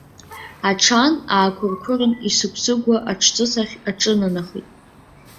Аҽан аақәырқәырын, исыгә-сыгәуа аҽҵыс ахь аҿынанахеит.